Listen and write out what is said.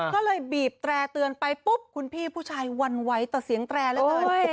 ก็เลยบีบแตร่เตือนไปปุ๊บคุณพี่ผู้ชายหวั่นไหวต่อเสียงแตรเหลือเกิน